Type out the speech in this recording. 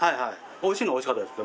おいしいのはおいしかったです。